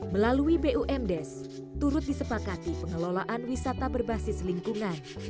melalui bumdes turut disepakati pengelolaan wisata berbasis lingkungan